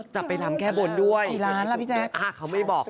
จะไปรำแค่บนด้วยอะเขาไม่บอกอยู่ในใจนะคะอ่ะไปฟังแม่ชม